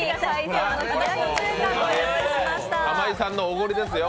玉井さんのおごりですよ。